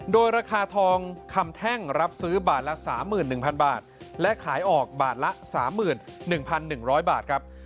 โดยราคาทองคำแท่งรับซื้อบาทละ๓๑๐๐๐บาทและขายออกบาทละ๓๑๑๐๐บาทครับ